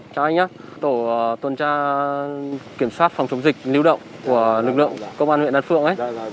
chào anh nhé tổ tuần tra kiểm soát phòng chống dịch và lưu động của lực lượng công an huyện đàn phượng